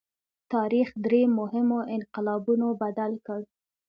تاریخ درې مهمو انقلابونو بدل کړ.